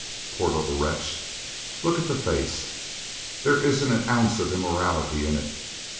Poor little wretch! Look at the face! There isn't an ounce of immorality in it.